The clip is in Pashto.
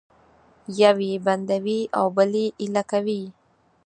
یو یې بندوي او بل یې ایله کوي